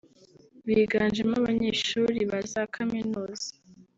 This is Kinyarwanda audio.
biganjemo abanyeshuli ba za Kaminuza